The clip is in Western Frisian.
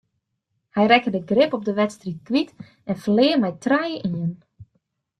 Hy rekke de grip op de wedstryd kwyt en ferlear mei trije ien.